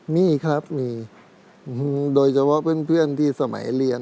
มีครับมีโดยเฉพาะเพื่อนที่สมัยเรียน